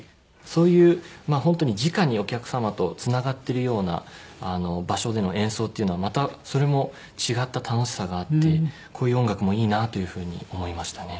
そういう本当にじかにお客様とつながってるような場所での演奏っていうのはまたそれも違った楽しさがあってこういう音楽もいいなという風に思いましたね。